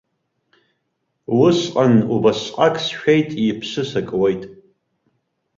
Усҟан убасҟак сшәеит, иԥсы сакуеит.